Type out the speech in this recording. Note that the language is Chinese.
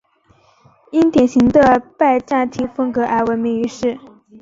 因典型的拜占庭风格而闻名于世。